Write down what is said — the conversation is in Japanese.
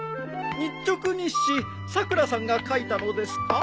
日直日誌さくらさんが書いたのですか？